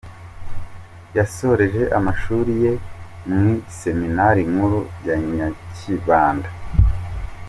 Yasoreje amashuri ye mu Iseminari Nkuru ya Nyakibanda.